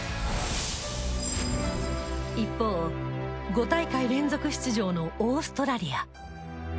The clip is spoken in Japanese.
一方、５大会連続出場のオーストラリア。